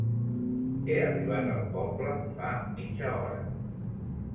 He arribat al poble fa mitja hora.